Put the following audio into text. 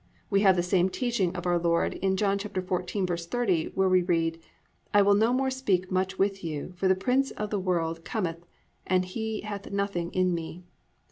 We have the same teaching of our Lord in John 14:30, where we read: +"I will no more speak much with you, for the prince of the world cometh: and he hath nothing in me."